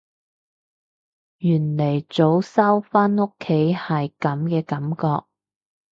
原來早收返屋企係噉嘅感覺